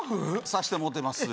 さしてもろてます